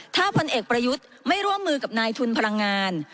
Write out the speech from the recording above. ถ้าพลเอกประยุทธ์ไม่ร่วมมือกับนายทุนพลังงาน